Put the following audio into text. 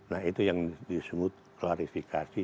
nah itu yang disebut klarifikasi